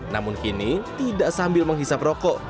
namun kini tidak sambil menghisap rokok